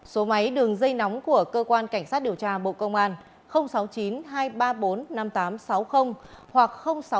số máy đường dây nóng của cơ quan cảnh sát điều tra bộ công an sáu mươi chín hai trăm ba mươi bốn năm nghìn tám trăm sáu mươi hoặc sáu mươi chín hai trăm ba mươi hai một nghìn sáu trăm sáu mươi